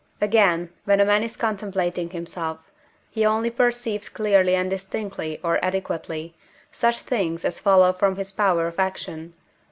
Again, when a man is contemplating himself, he only perceived clearly and distinctly or adequately, such things as follow from his power of action (III.